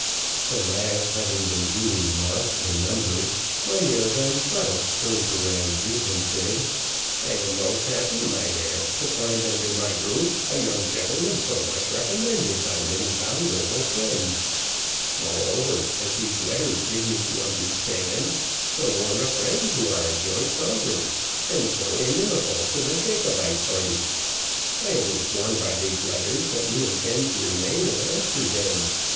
The last having been duly marked and numbered, Mynheer Van Krause turned to Ramsay, and said, "I am most happy, mynheer, to find under my roof a young gentleman so much recommended by many valuable friends; moreover, as these letters give me to understand, so warm a friend to our joint sovereign, and so inimical to the Jacobite party. I am informed by these letters that you intend to remain at Amsterdam.